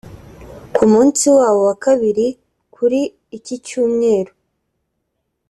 Ku munsi wawo wa kabiri kuri iki Cyumweru